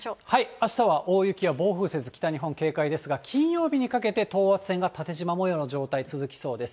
あしたは大雪や暴風雪、北日本、警戒ですが、金曜日にかけて、等圧線が縦じま模様の状態続きそうです。